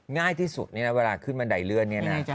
ง่ายที่สุดเนี่ยนะเวลาขึ้นบันไดเลื่อนเนี่ยนะ